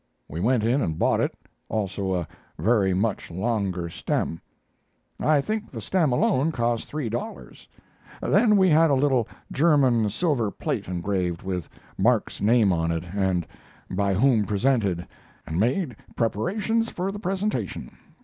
We went in and bought it, also a very much longer stem. I think the stem alone cost three dollars. Then we had a little German silver plate engraved with Mark's name on it and by whom presented, and made preparations for the presentation.